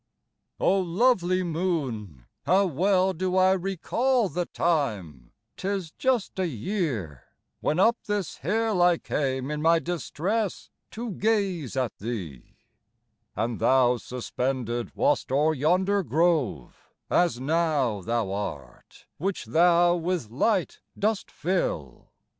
O lovely moon, how well do I recall The time,—'tis just a year—when up this hill I came, in my distress, to gaze at thee: And thou suspended wast o'er yonder grove, As now thou art, which thou with light dost fill.